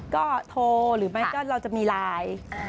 ก็โทรหรือไม่ก็เราจะมีไลน์